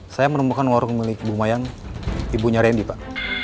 saya menemukan warung milik bu mayan ibunya randy pak